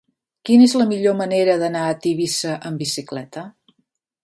Quina és la millor manera d'anar a Tivissa amb bicicleta?